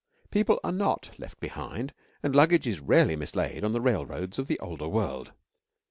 People are not left behind and luggage is rarely mislaid on the railroads of the older world.